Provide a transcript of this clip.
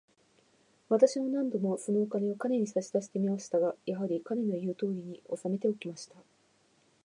私は何度も、そのお金を彼に差し出してみましたが、やはり、彼の言うとおりに、おさめておきました。